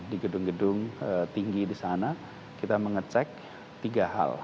di gedung gedung tinggi di sana kita mengecek tiga hal